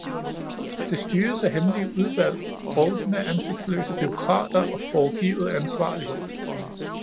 Det styres af hemmelige udvalg, brovtende ansigtsløse bureaukrater og foregivet ansvarlighed.